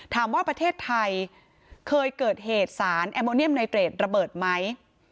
ถามว่าประเทศไทยเคยเกิดเหตุสารแอมโมเนียมไนเตรดระเบิดไหม